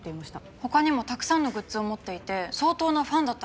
他にもたくさんのグッズを持っていて相当なファンだったらしいです。